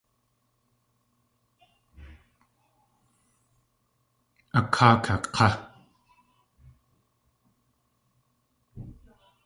A káa kak̲á!